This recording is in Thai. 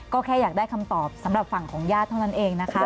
ก็แค่อยากได้คำตอบสำหรับฝั่งของญาติเท่านั้นเองนะคะ